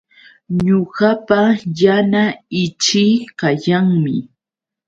Ñuqapa yana ichii kayanmi